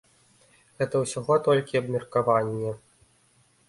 Гэта ўсяго толькі абмеркаванне.